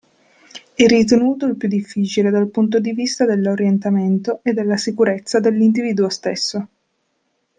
È ritenuto il più difficile dal punto di vista dell'orientamento e della sicurezza dell'individuo stesso.